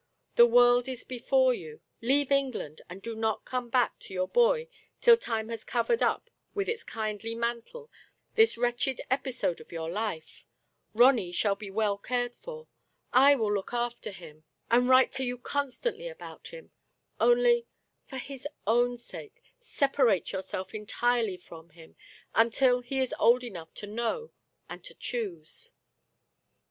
The world is before you ; leave England, and do not come back to your boy till time has covered up with its kindly mantle this wretched episode of your life. Ronny shall be well cared for. I will look after him, and write t^/* Digitized by Google MRS, LOVETT CAMERON, 10$ to you constantly about him. Only — for his own sake — separate yourself entirely from him, until he is old enough to know and to choose."